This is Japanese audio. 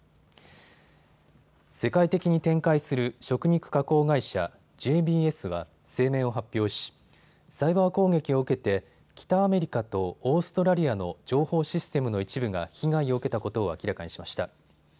世界的に展開する食肉加工会社ＪＢＳは声明を発表しサイバー攻撃を受けて北アメリカとオーストラリアの情報システムの一部が被害を受けたことを明らかにしました。